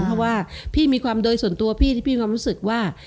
เพราะว่าพี่มีความโดยส่วนตัวพี่ที่พี่มีความรู้สึกว่า